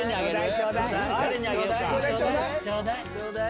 ちょうだい！